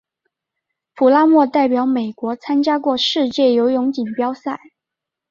普拉默代表美国参加过世界游泳锦标赛。